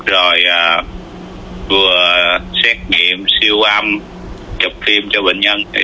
rồi vừa xét nghiệm siêu âm chụp tiêm cho bệnh nhân